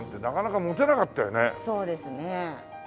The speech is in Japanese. そうですね。